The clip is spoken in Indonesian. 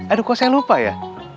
aduh kok saya lupa ya